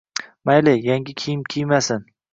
Mayli, yangi kiyim kiymasin